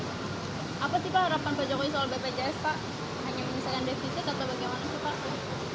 apa sih pak harapan pak jokowi soal bpjs pak hanya penyesalan defisit atau bagaimana sih pak